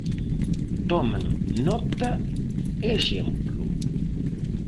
Tomen nota e exemplo.